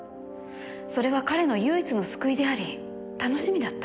それは彼の唯一の救いであり楽しみだった。